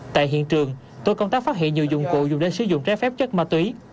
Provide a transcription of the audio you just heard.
tại hiện trường tổ công tác phát hiện nhiều dụng cụ dùng để sử dụng trái phép chất ma túy